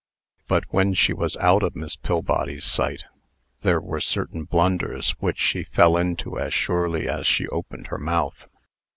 But when she was out of Miss Pillbody's sight, there were certain blunders which she fell into as surely as she opened her mouth.